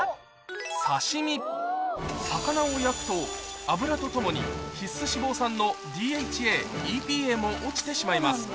魚を焼くと脂とともに必須脂肪酸のＤＨＡＥＰＡも落ちてしまいます